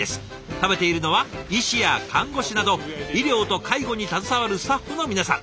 食べているのは医師や看護師など医療と介護に携わるスタッフの皆さん。